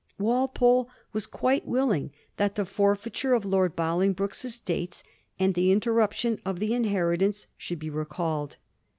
Walpole was quite willing that the forfeiture of Lord Bolingbroke's estates and the interruption of the inheritance should be recalled.